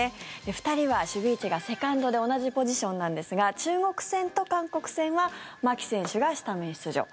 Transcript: ２人は守備位置がセカンドで同じポジションなんですが中国戦と韓国戦は牧選手がスタメン出場。